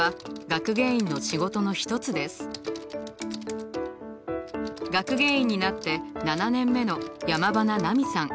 学芸員になって７年目の山塙菜未さん。